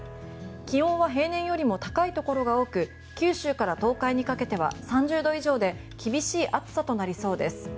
気温は平年よりも高いところが多く九州から東海にかけては３０度以上で厳しい暑さとなりそうです。